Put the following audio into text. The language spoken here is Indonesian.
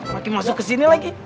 makin masuk kesini lagi